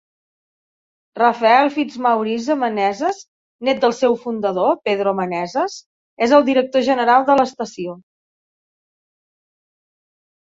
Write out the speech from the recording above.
Rafael Fitzmaurice Meneses, net del seu fundador, Pedro Meneses, és el director general de l"estació.